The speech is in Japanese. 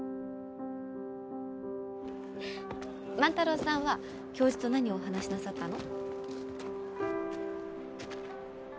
万太郎さんは教授と何をお話しなさったの？